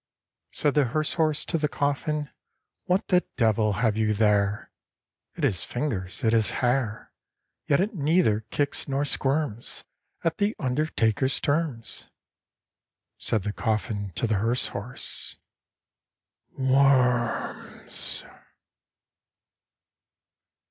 Said the hearse horse to the coffin, "What the devil have you there? It has fingers, it has hair; Yet it neither kicks nor squirms At the undertaker's terms." Said the coffin to the hearse horse, "Worms!"